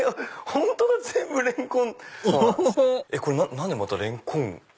何でまたレンコン？